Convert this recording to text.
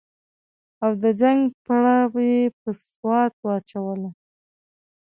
او د جنګ پړه یې پر سوات واچوله.